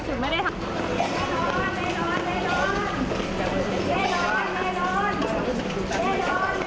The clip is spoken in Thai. สาธารณะยาสาธารณะยา